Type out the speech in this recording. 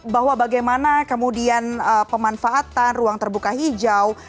bahwa bagaimana kemudian pemanfaatan ruang terbuka hijau